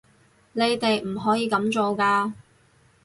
你哋唔可以噉做㗎